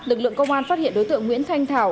lực lượng công an phát hiện đối tượng nguyễn thanh thảo